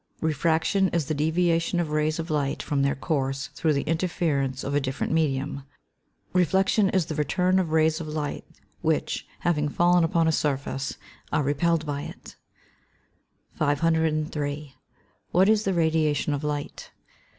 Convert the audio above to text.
_ Refraction is the deviation of rays of light from their course through the interference of a different medium; reflection is the return of rays of light which, having fallen upon a surface, are repelled by it. 503. _What is the radiation of light?